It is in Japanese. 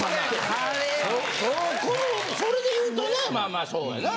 そこそれで言うとなまあまあそうやな。